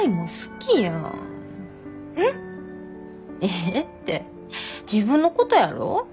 「えっ！」って自分のことやろ。